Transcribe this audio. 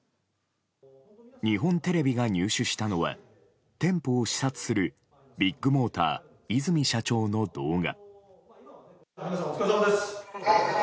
日本テレビが入手したのは店舗を視察するビッグモーター、和泉社長の動画。